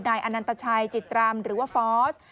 อนันตชัยจิตรำหรือว่าฟอร์ส